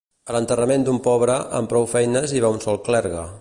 A l'enterrament d'un pobre, amb prou feines hi va un sol clergue.